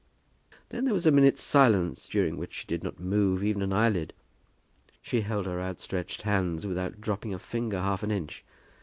Then there was a minute's silence, during which she did not move even an eyelid. She held her outstretched hands without dropping a finger half an inch.